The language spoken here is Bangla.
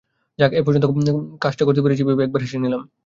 যাক এ পর্যন্ত কাজটা করতে পেরেছি ভেবে একবার হেসে নিলাম।